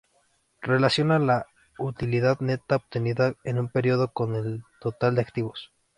Relaciona la utilidad neta obtenida en un período con el total de activos.